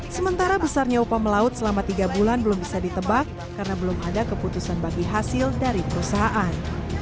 sementara besarnya upah melaut selama tiga bulan belum bisa ditebak karena belum ada keputusan bagi hasil dari perusahaan